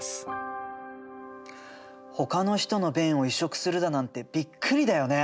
ほかの人の便を移植するだなんてびっくりだよね。